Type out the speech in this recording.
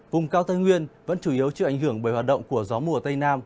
vùng cao tây nguyên vẫn chủ yếu chịu ảnh hưởng bởi hoạt động của gió mùa tây nam